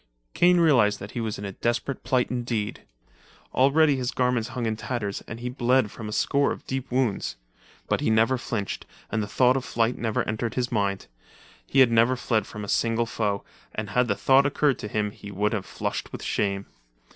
Kane realized that he was in a desperate plight indeed. Already his garments hung in tatters and he bled from a score of deep wounds. But he never flinched, and the thought of flight never entered his mind. He had never fled from a single foe, and had the thought occurred to him he would have flushed with shame.